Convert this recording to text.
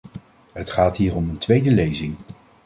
Het gaat hier om een tweede lezing.